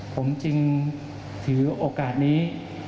ผมจึงถือโอกาสนี้